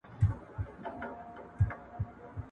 ایا ته غواړې په راتلونکي کې ښوونکی سې؟